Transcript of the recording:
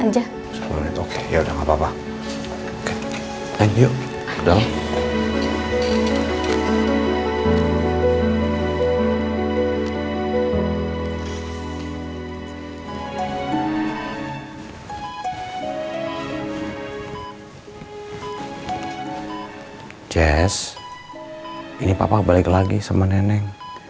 jess ini papa balik lagi sama nenek